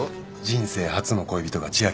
人生初の恋人が千明で。